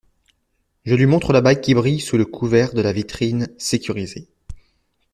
Je lui montre la bague qui brille sous le couvert de la vitrine sécurisée.